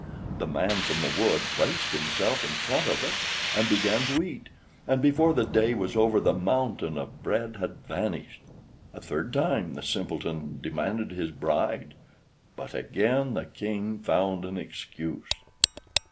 The man from the wood placed himself in front of it and began to eat, and before the day was over the mountain of bread had vanished. A third time the Simpleton demanded his bride, but again the King found an excuse.